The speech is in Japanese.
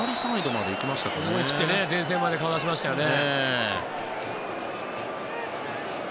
思い切って前線まで顔を出しましたよね。